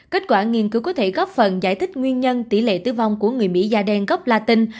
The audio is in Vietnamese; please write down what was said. kết quả nghiên cứu có thể góp phần giải thích nguyên nhân tỷ lệ tử vong của người mỹ da đen gốc latin